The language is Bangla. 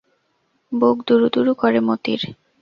বুক দুরু দুরু করে মতির।